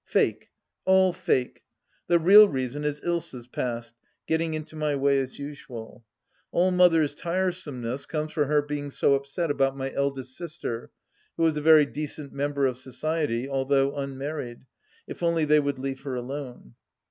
Fake, all fake ; the real reason is Ilsa's past, getting into my way as usual. All Mother's tiresomeness comes from her being so upset about my eldest sister, who is a very decent member of society, although unmarried, if only they would leave her alone.